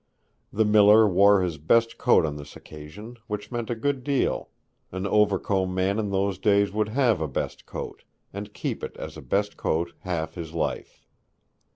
The miller wore his best coat on this occasion, which meant a good deal. An Overcombe man in those days would have a best coat, and keep it as a best coat half his life.